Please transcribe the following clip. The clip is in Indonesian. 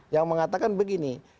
yang mengatakan begini